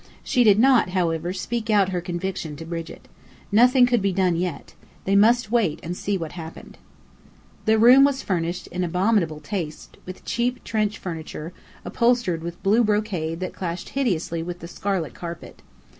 She did not, however, speak out her conviction to Brigit. Nothing could be done yet. They must wait and see what would happen. The room was furnished in abominable taste, with cheap Trench furniture, upholstered with blue brocade that clashed hideously with the scarlet carpet.